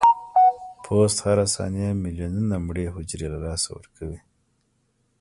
پوست هره ثانیه ملیونونه مړه حجرو له لاسه ورکوي.